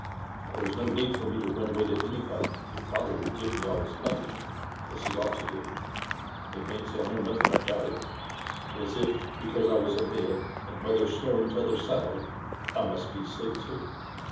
There's no need for me to run away to anybody, if father would give me all his money, as he ought to do. The^ fancy I know nothing about it ; as if, because I was abed, and tnelher snoring t'other side, I must be asleep to.